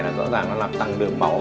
thì rõ ràng nó làm tăng lượng máu